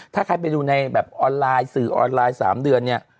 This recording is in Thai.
ถ้าใครไปดูในแบบออนไลน์สื่อออนไลน์๓เดือนเนี่ย